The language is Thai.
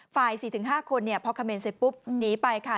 ฝ่าย๔๕คนเพราะคำเมนต์เสร็จปุ๊บหนีไปค่ะ